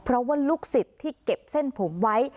เพราะว่าลูกศิษย์ที่เก็บเส้นผมไว้